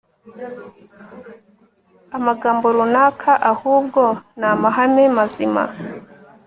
amagambo runaka, ahubwo ni amahame mazima